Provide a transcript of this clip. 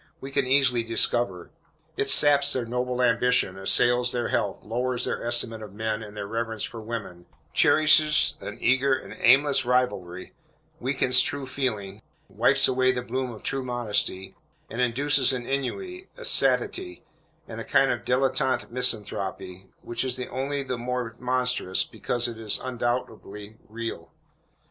We can easily discover. It saps their noble ambition, assails their health, lowers their estimate of men, and their reverence for women, cherishes an eager and aimless rivalry, weakens true feeling, wipes away the bloom of true modesty, and induces an ennui, a satiety, and a kind of dilettante misanthropy, which is only the more monstrous because it is undoubtedly real.